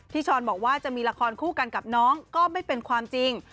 ช้อนบอกว่าจะมีละครคู่กันกับน้องก็ไม่เป็นความจริง